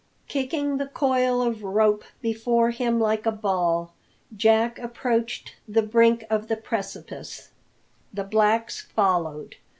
Kicking the coil of rope before him like a ball, Jack approached the brink of the precipice. The blacks followed.